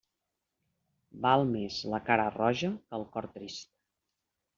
Val més la cara roja que el cor trist.